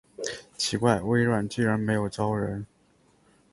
奇怪，微软居然没有招人